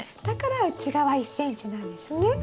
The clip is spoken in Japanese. だから内側１ｃｍなんですね。